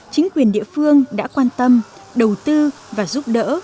chính quyền địa phương đã quan tâm đầu tư và giúp đỡ